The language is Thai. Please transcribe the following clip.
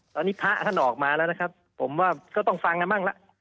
ตอนนี้พระท่านออกมาแล้วนะครับผมว่าก็ต้องฟังกันบ้างละ